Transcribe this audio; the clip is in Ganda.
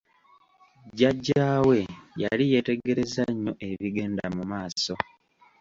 Jjajjaawe yali yeetegereza nnyo ebigenda mu maaso.